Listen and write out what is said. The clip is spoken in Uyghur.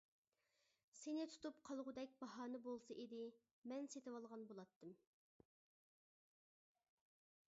سېنى تۇتۇپ قالغۇدەك باھانە بولسا ئىدى، مەن سېتىۋالغان بولاتتىم.